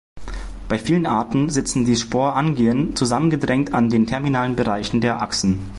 Bei vielen Arten sitzen die Sporangien zusammengedrängt an den terminalen Bereichen der Achsen.